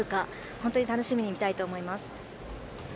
本当に楽しみに見たいと思います。